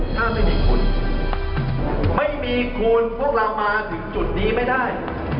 ถ้าไม่มีคุณไม่มีคุณพวกเรามาถึงจุดนี้ไม่ได้